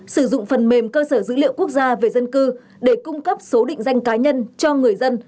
sử dụng phần mềm cơ sở dữ liệu quốc gia về dân cư để cung cấp số định danh cá nhân cho người dân